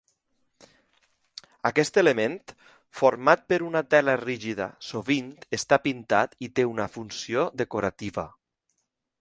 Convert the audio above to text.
Aquest element, format per una tela rígida sovint està pintat i té una funció decorativa.